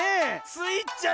スイちゃん